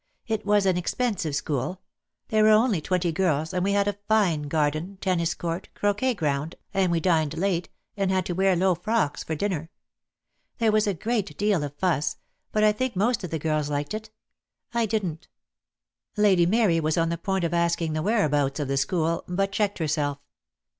It was an expensive school. There were only twenty girls, and we had a fine garden — tennis court — croquet ground, and we dined late, and had to wear low frocks for dinner. There was a great deal of fuss; but I think most of the girls liked it. I didn't." Lady Mary was on the point of asking the 22 DEAD LOVE HAS CHAINS. whereabouts of the school, but checked herself.